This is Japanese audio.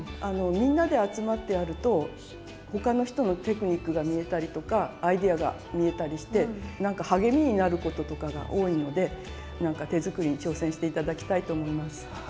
あのみんなで集まってやると他の人のテクニックが見えたりとかアイデアが見えたりしてなんか励みになることとかが多いので手作りに挑戦して頂きたいと思います。